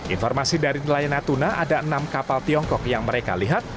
informasi dari nelayan natuna ada enam kapal tiongkok yang mereka lihat